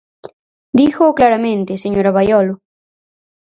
Dígoo claramente, señora Baiolo.